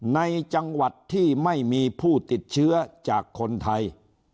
ในจังหวัดที่ไม่มีผู้ติดเชื้อจากคนไทย